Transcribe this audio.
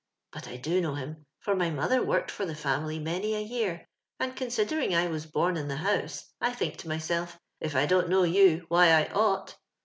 But I do kuow him, for my mother worked for the family many a year, and, considering I was bom in the house, i think to myself, * If I don't know you, why I ought.'